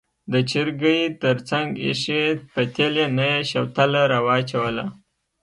د چرګۍ تر څنګ ایښې پتیلې نه یې شوتله راواچوله.